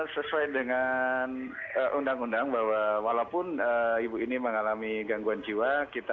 sesuai dengan undang undang bahwa walaupun ibu ini mengalami gangguan jiwa kita